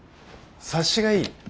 察しがいい。